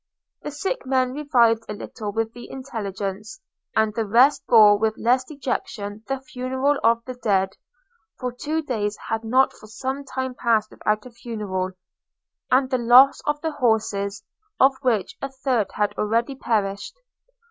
The sick men revived a little with the intelligence; and the rest bore with less dejection the funeral of the dead (for two days had not for some time passed without a funeral) and the loss of the horses, of which a third had already perished.